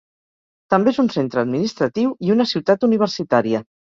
També és un centre administratiu i una ciutat universitària.